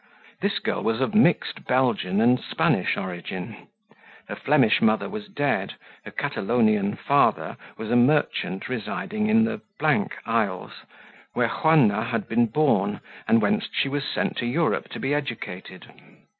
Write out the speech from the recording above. This girl was of mixed Belgian and Spanish origin; her Flemish mother was dead, her Catalonian father was a merchant residing in the Isles, where Juanna had been born and whence she was sent to Europe to be educated.